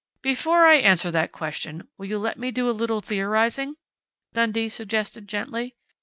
"Before I answer that question, will you let me do a little theorizing?" Dundee suggested gently.